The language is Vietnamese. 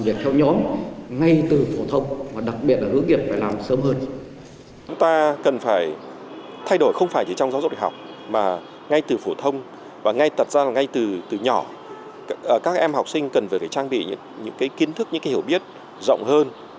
và ngay từ nhỏ các em học sinh cần phải trang bị những kiến thức những hiểu biết rộng hơn